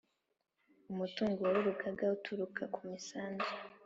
Umutungo w urugaga uturuka ku misanzu